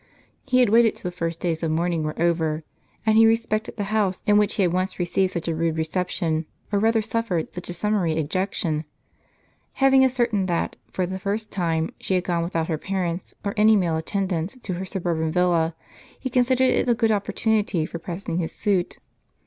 He had waited till the first days of mourning were ovei , and he respected the house in which he had once received such a rude reception, or rather suffered such a summary ejectment. Having ascertained that, for the first time, she had gone with out her parents, or any male attendants, to her suburban villa, he considered it a good opportunity for pressing his suit.